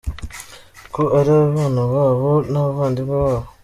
Ko ari abana babo n’abavandimwe babo?